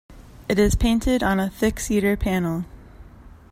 It is painted on a thick cedar panel.